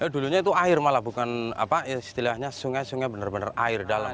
dulunya itu air malah bukan apa istilahnya sungai sungai benar benar air dalam